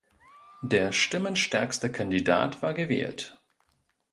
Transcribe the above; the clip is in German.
Der stimmenstärkste Kandidat war gewählt.